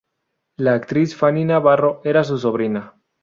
La actriz Fanny Navarro era su sobrina.